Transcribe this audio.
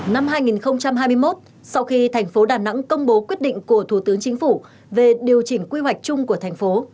năm hai nghìn hai mươi một sau khi thành phố đà nẵng công bố quyết định của thủ tướng chính phủ về điều chỉnh quy hoạch chung của thành phố